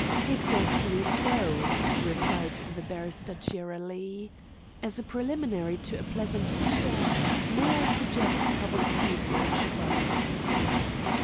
"Exactly so," replied the barrister cheerily. "As a preliminary to a pleasant chat, may I suggest a cup of tea for each of us?"